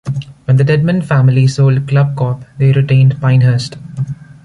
When the Dedman family sold ClubCorp, they retained Pinehurst.